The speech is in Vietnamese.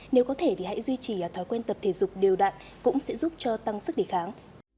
nếu có thể thì hãy duy trì thói quen tập thể dục đều đạn cũng sẽ giúp cho tăng sức đề kháng